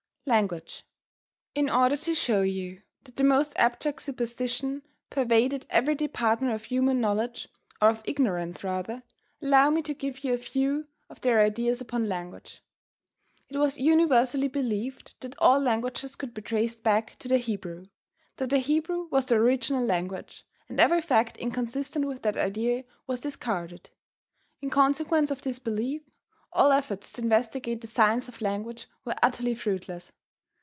LANGUAGE. IN order to show you that the most abject superstition pervaded every department of human knowledge, or of ignorance rather, allow me to give you a few of their ideas upon language. It was universally believed that all languages could be traced back to the Hebrew; that the Hebrew was the original language, and every fact inconsistent with that idea was discarded. In consequence of this belief all efforts to investigate the science of language were utterly fruitless.